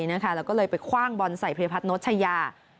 แล้วก็เลยไปคว่างบอนใส่พลียพัทน์โนชัยา